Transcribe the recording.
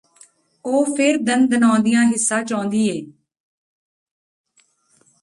ਉਹ ਫੇਰ ਦਨਦਨਾਉਂਦੀਆਂ ਹਿੱਸਾ ਚਾਹੁੰਦੀ ਏਂ